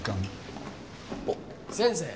おっ先生